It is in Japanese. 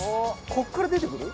こっから出てくる？